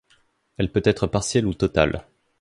Elle peut être partielle ou totale.